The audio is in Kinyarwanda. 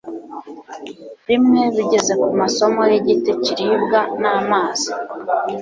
rimwe bigeze kumasomo ,yigiti kiribwa n'amazi